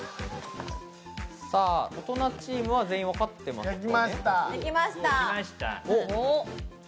大人チームは全員分かってますか？